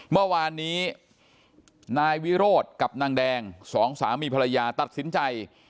เมื่อวานนี้นายวิโรธกับนางแดงสองสามีภรรยาตัดสินใจ